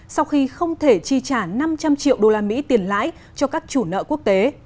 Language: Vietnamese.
sau khi không thể chi trả năm trăm linh triệu usd tiền lãi cho các chủ nợ quốc tế